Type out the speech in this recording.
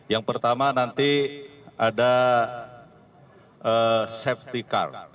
yang pertama nanti ada safety car